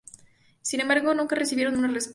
Sin embargo, nunca recibieron una respuesta.